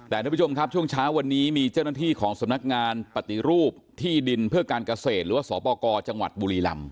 แต่ทุกผู้ชมครับช่วงเช้าวันนี้มีเจ้าหน้าที่ของสำนักงานปฏิรูปที่ดินเพื่อการเกษตรหรือว่าสปกรจังหวัดบุรีลำ